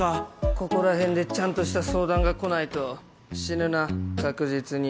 ここらへんでちゃんとした相談が来ないと死ぬな確実に。